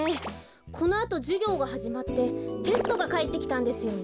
このあとじゅぎょうがはじまってテストがかえってきたんですよね。